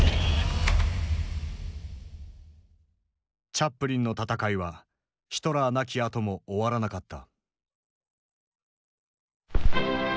チャップリンの闘いはヒトラー亡きあとも終わらなかった。